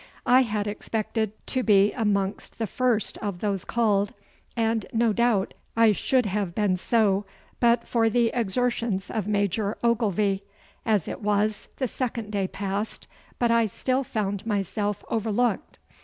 I had expected to be amongst the first of those called, and no doubt I should have been so but for the exertions of Major Ogilvy. As it was, the second day passed, but I still found myself overlooked.